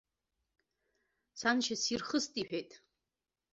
Саншьа сирхыст иҳәеит.